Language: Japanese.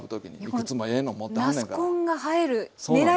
いくつもええの持ってはんねんから。